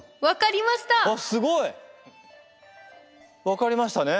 分かりましたね。